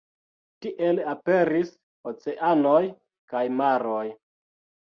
Tiel aperis oceanoj kaj maroj.